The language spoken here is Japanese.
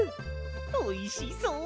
おいしそう！